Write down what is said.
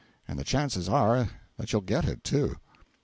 And the chances are that you'll get it, too.